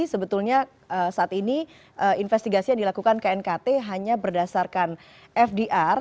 sebetulnya saat ini investigasi yang dilakukan knkt hanya berdasarkan fdr